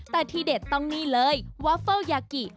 แต่ที่เด็ดต้องนี่เลยวาเฟิลยากิ